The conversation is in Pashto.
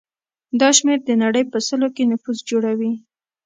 دا شمېر د نړۍ په سلو کې نفوس جوړوي.